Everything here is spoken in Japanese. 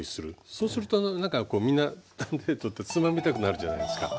そうすると何かみんな手に取ってつまみたくなるじゃないですか。